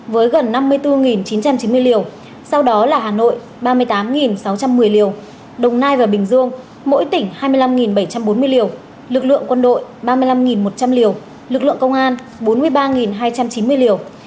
với gần năm mươi bốn chín trăm chín mươi liều sau đó là hà nội ba mươi tám sáu trăm một mươi liều đồng nai và bình dương mỗi tỉnh hai mươi năm bảy trăm bốn mươi liều lực lượng quân đội ba mươi năm một trăm linh liều lực lượng công an bốn mươi ba hai trăm chín mươi liều